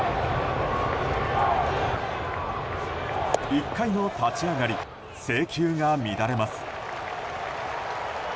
１回の立ち上がり制球が乱れます。